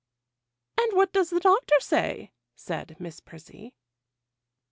'And what does the Doctor say?' said Miss Prissy.